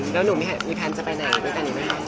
แล้วหนูมีแพลนจะไปแน่นอนด้วยกันอยู่ไหมค่ะ